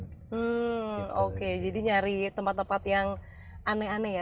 hmm oke jadi nyari tempat tempat yang aneh aneh ya